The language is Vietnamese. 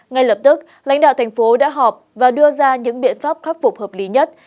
ngay lập tức lãnh đạo thành phố đã họp và đưa ra những biện pháp khắc phục hợp lý nhất